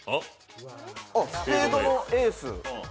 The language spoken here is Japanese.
スペードのエース。